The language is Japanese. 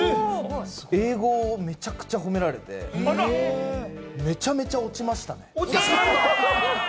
英語をめちゃくちゃ褒められて、めちゃめちゃ落ちましたね。